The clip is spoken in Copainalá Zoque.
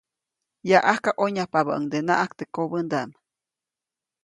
Yaʼajka ʼonyajpabäʼundenaʼajk teʼ kobändaʼm.